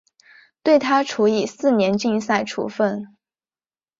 对她处以四年禁赛处分。